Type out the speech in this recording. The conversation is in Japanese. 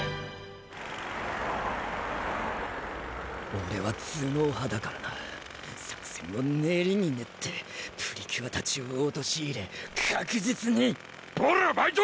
オレは頭脳派だからな作戦を練りに練ってプリキュアたちをおとしいれ確実にこらバイト！